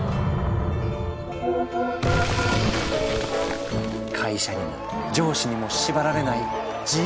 会社にも上司にも縛られない自由な生き方！